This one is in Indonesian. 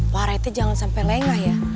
pak rete jangan sampai lengah ya